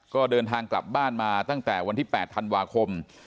ก็เดินทางกลับบ้านมาตั้งแต่วันที่๘ธันวาคม